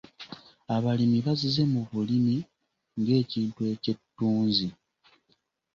Abalimi bazze bu bulimi ng'ekintu eky'ettunzi.